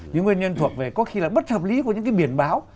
những nguyên nhân thuộc về có khi là bất hợp lý của những cái biển báo